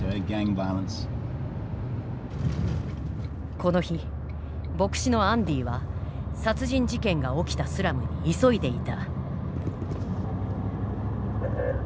この日牧師のアンディは殺人事件が起きたスラムに急いでいた。